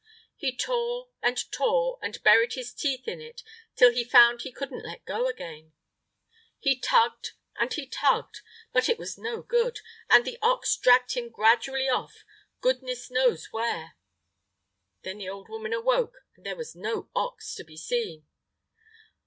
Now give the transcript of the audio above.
He tore and tore, and buried his teeth in it till he found he couldn't let go again. He tugged and he tugged, but it was no good, and the ox dragged him gradually off, goodness knows where. Then the old woman awoke, and there was no ox to be seen.